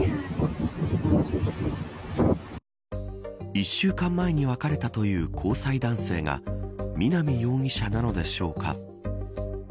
１週間前に別れたという交際男性が南容疑者なのでしょうか。